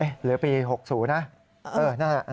หรือปี๖๐นะ